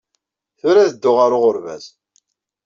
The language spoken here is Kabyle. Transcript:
Tura ad dduɣ ɣer uɣerbaz